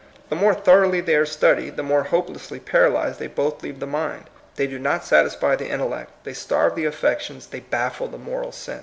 The more thoroughly they are studied, the more hopelessly paralyzed they both leave the mind. They do not satisfy the inteU lect, they starve the affections^ they baffle the moral sense.